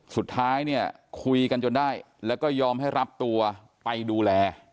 สุดท้ายเนี่ยคุยกันจนได้แล้วก็ยอมให้รับตัวไปดูแล